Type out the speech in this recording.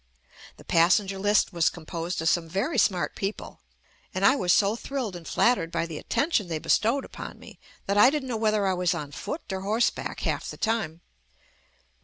The passenger list was composed of some very "smart" people, and I was so thrilled and flat tered by the attention they bestowed upon me that I didn't know whether I was on foot or horseback half the time.